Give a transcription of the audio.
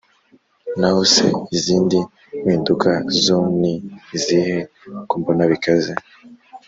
naho se izindi mpinduka zo ni izihe?kombona bikaze